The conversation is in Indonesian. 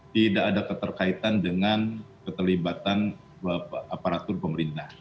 tidak ada keterkaitan dengan keterlibatan aparatur pemerintah